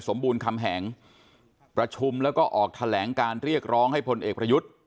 บูรณคำแหงประชุมแล้วก็ออกแถลงการเรียกร้องให้พลเอกประยุทธ์